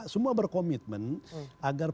semua berkomitmen agar